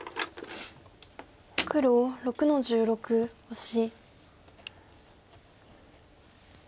黒６の十六オシ。